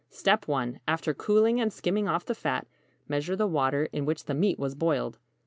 1. After cooling and skimming off the fat, measure the water in which the meat was boiled.